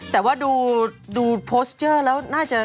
แต่ว่าดูโพสเจอร์แล้วน่าจะ